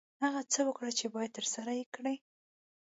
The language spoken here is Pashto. هغه څه وکړه چې باید ترسره یې کړې.